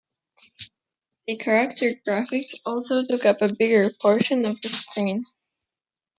The character graphics also took up a bigger portion of the screen.